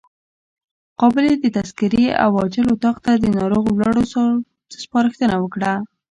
قابلې د تذکرې او عاجل اتاق ته د ناروغ وړلو سپارښتنه وکړه.